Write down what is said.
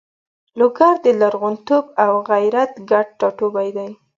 لوګر د لرغونتوب او غیرت ګډ ټاټوبی ده.